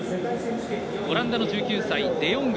オランダの１９歳、デヨング。